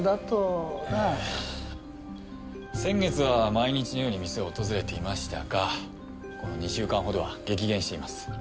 先月は毎日のように店を訪れていましたがこの２週間ほどは激減しています。